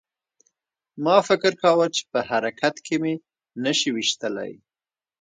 ما فکر کاوه چې په حرکت کې مې نشي ویشتلی